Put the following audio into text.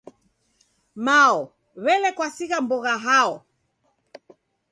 Mao w'ele kwasigha mbogha hao.